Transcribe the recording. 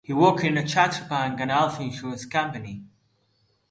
He worked in Chartered Bank and Alfa Insurance Company.